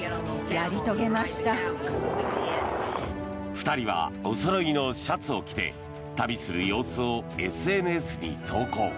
２人はおそろいのシャツを着て旅する様子をＳＮＳに投稿。